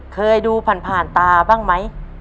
เคยดูผ่านตาบ้างไหม